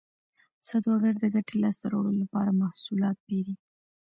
سوداګر د ګټې لاسته راوړلو لپاره محصولات پېري